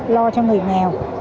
lo cho người nghèo